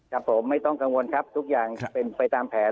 ครับผมไม่ต้องกังวลครับทุกอย่างจะเป็นไปตามแผน